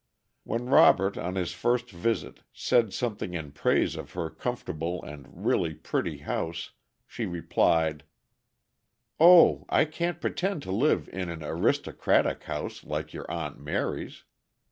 When Robert on his first visit said something in praise of her comfortable and really pretty house, she replied: "Oh! I can't pretend to live in an aristocratic house like your Aunt Mary's.